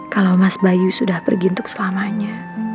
kalau mas bayu sudah pergi untuk selamanya